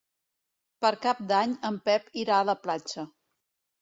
Per Cap d'Any en Pep irà a la platja.